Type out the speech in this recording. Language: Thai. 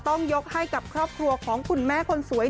ต้องยกให้กับครอบครัวของคุณแม่คนสวย